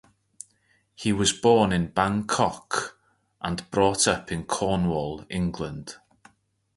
He was born in Bangkok, and brought up in Cornwall, England.